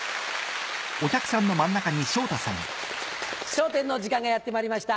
『笑点』の時間がやってまいりました。